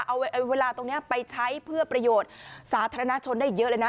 เอาเวลาตรงนี้ไปใช้เพื่อประโยชน์สาธารณชนได้เยอะเลยนะ